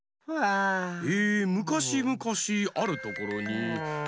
「むかしむかしあるところにいかした」。